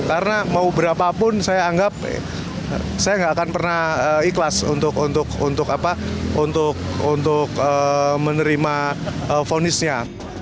karena mau berapapun saya anggap saya tidak akan pernah ikhlas untuk menerima fonisnya